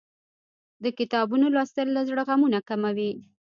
د کتابونو لوستل له زړه غمونه کموي.